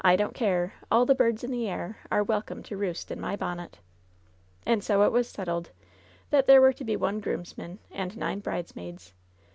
don't care, All the birds in the air Are welcome to roost in my bonnet." 'And so it was settled that there were to be one grooms man and nine bridesmaids.